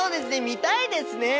見たいですね！